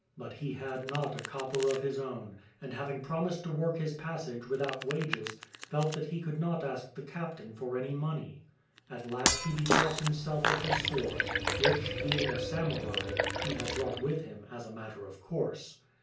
But he had not a copper of his own, and having promised to work his passage without wages, felt that he could not ask the cap tain for any money. At last he bethought himself of his sword, which, being a samurai, he had brought with him as a matter of course.